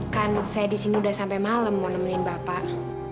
kan saya di sini udah sampai malam mau nemenin bapak